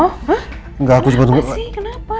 kenapa sih kenapa